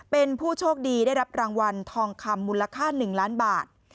เป็นผู้โชคดีได้รับรางวัลทองคำมูลค่า๑ล้านบาท